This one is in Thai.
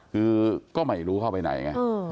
คือก็ไม่รู้เข้าไปไหนไง